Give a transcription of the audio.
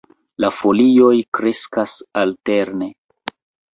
La folioj kreskas alterne.